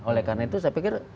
oleh karena itu saya pikir